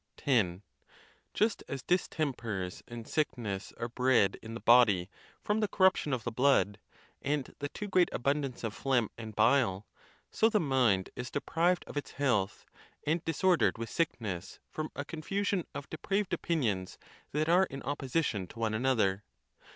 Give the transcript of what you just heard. X. Just as distempers and sickness are bred in the body from the corruption of the blood, and tlie too great abundance of phlegm and bile, so the mind is deprived of its health, and disordered with sickness, from a confusion of depraved opinions that are in opposition to one another.